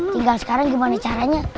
tinggal sekarang gimana caranya